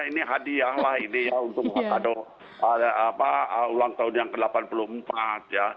ini hadiah lah ini ya untuk ulang tahun yang ke delapan puluh empat ya